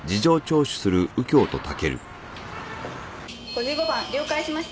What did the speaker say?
５５番了解しました。